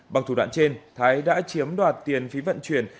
bằng thủ đoạn trên thái đã chiếm đoạt tiền phí vận chuyển